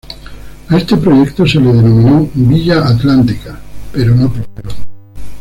A este proyecto se lo denominó Villa Atlántica pero no prosperó.